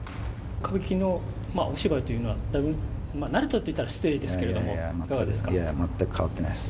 歌舞伎のお芝居というのは、だいぶ、慣れたといっては失礼でいやいやいや、全く変わってないです。